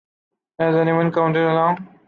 Has anyone counted along?